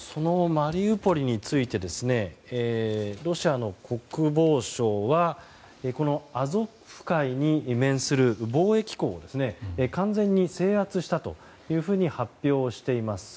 マリウポリについてロシアの国防省はアゾフ海に面する貿易港を完全に制圧したというふうに発表しています。